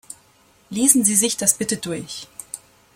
Lesen Sie sich das bitte durch!